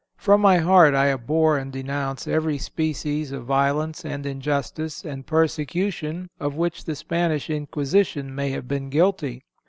From my heart I abhor and denounce every species of violence, and injustice, and persecution of which the Spanish Inquisition may have been guilty.